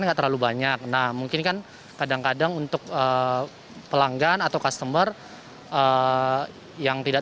nggak terlalu banyak nah mungkin kan kadang kadang untuk pelanggan atau customer yang tidak